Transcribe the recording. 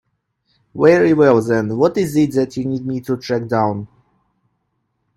Very well then, what is it that you need me to track down?